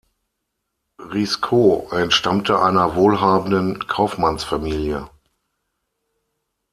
Riesco entstammte einer wohlhabenden Kaufmannsfamilie.